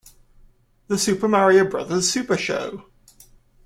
The Super Mario Brothers Super Show!